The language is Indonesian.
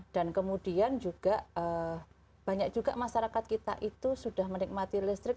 dan kemudian juga banyak juga masyarakat kita itu sudah menikmati listrik